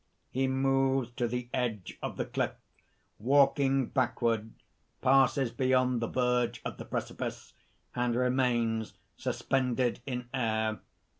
(_He moves to the edge of the cliff, walking backward, passes beyond the verge of the precipice, and remains suspended in air.